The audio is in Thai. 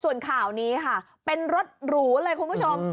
ส่วนข่าวนี้ค่ะเป็นรถหรูเลยคุณผู้ชม